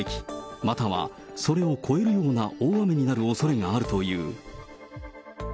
またはそれを超えるような大雨になるおそれがあるという。